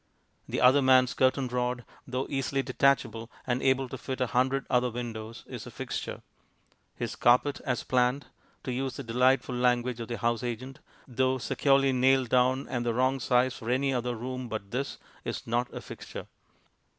The other man's curtain rod, though easily detachable and able to fit a hundred other windows, is a fixture; his carpet as planned (to use the delightful language of the house agent), though securely nailed down and the wrong size for any other room but this, is not a fixture.